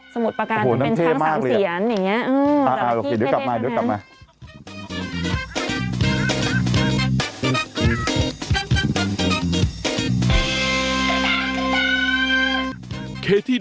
สมุดประการเป็นทั้งสามเสียรอย่างนี้